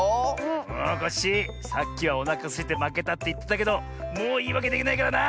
おっコッシーさっきはおなかすいてまけたっていってたけどもういいわけできないからな！